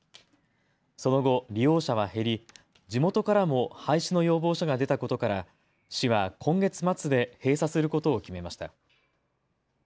その後、利用者は減り地元からも廃止の要望書が出たことから市は今月末で閉鎖することを決めました。